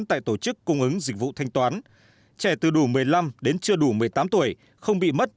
tại tổ chức cung ứng dịch vụ thanh toán trẻ từ đủ một mươi năm đến chưa đủ một mươi tám tuổi không bị mất